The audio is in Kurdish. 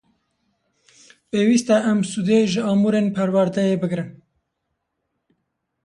Pêwîst e em sûdê ji amûrên perwerdeyê bigrin.